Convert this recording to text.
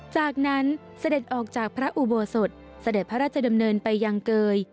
จากนั้นเสด็จออกจากพระอุโบสถเสด็จพระราชดำเนินไปยังเกย